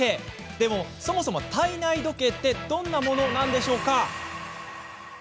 でも、そもそも体内時計ってどんなものなんでしょうか？